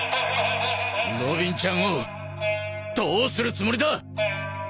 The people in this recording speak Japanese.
ロビンちゃんをどうするつもりだ！？